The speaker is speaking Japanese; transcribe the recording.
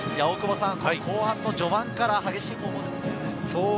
後半の序盤から激しい攻防ですね。